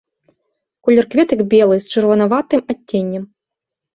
Колер кветак белы з чырванаватым адценнем.